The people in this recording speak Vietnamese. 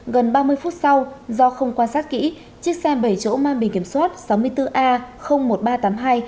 gần ba mươi phút sau do không quan sát kỹ chiếc xe bảy chỗ mang bình kiểm soát sáu mươi bốn a một nghìn ba trăm tám mươi hai